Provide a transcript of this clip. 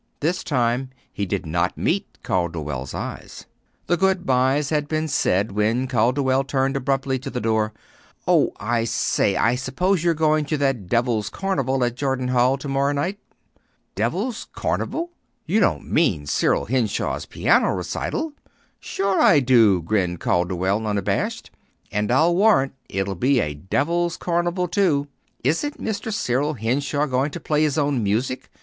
This time he did not meet Calderwell's eyes. The good byes had been said when Calderwell turned abruptly at the door. "Oh, I say, I suppose you're going to that devil's carnival at Jordan Hall to morrow night." "Devil's carnival! You don't mean Cyril Henshaw's piano recital!" "Sure I do," grinned Calderwell, unabashed. "And I'll warrant it'll be a devil's carnival, too. Isn't Mr. Cyril Henshaw going to play his own music?